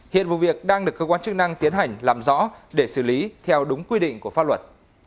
hiện vụ việc đang được cơ quan chức năng tiến hành làm rõ để xử lý theo đúng quy định của pháp luật